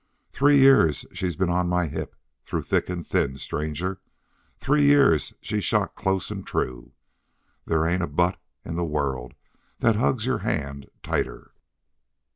"Three years she's been on my hip through thick and thin, stranger. Three years she's shot close an' true. There ain't a butt in the world that hugs your hand tighter.